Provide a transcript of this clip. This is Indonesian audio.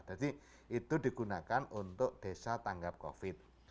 jadi itu digunakan untuk desa tanggap covid